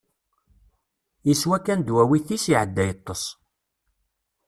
Yeswa kan ddwawit-is, iɛedda yeṭṭes.